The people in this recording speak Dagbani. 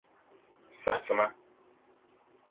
Saɣisima.